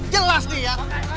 jelas nih ya